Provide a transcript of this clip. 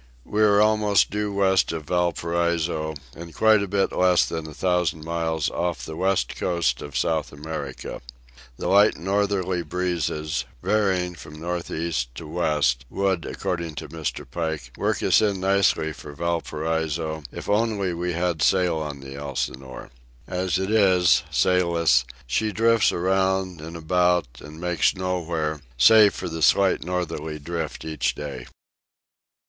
We are almost due west of Valparaiso and quite a bit less than a thousand miles off the west coast of South America. The light northerly breezes, varying from north east to west, would, according to Mr. Pike, work us in nicely for Valparaiso if only we had sail on the Elsinore. As it is, sailless, she drifts around and about and makes nowhere save for the slight northerly drift each day.